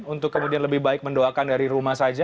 untuk kemudian lebih baik mendoakan dari rumah saja